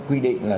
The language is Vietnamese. quy định là